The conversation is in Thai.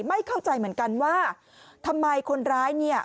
ไม่เข้าใจเหมือนกันว่าทำไมคนร้ายเนี่ย